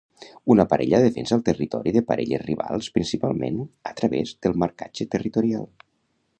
Una parella defensa el territori de parelles rivals principalment a través del marcatge territorial.